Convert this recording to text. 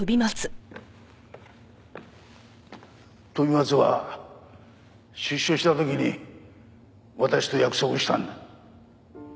飛松は出所した時に私と約束したんだ。